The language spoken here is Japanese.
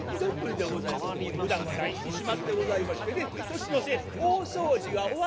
ふだんは大事にしまってございましてね年の瀬大掃除が終わりました